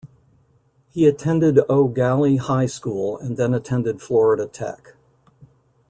He attended Eau Gallie High School and then attended Florida Tech.